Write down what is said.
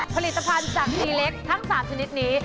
ผลิตภัณฑ์จากลีเล็กทั้ง๓ชนิดนี้